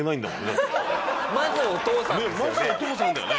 まずお父さんですよね。